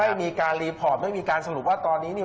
ไม่มีการรีพอร์ตไม่มีการสรุปว่าตอนนี้เนี่ย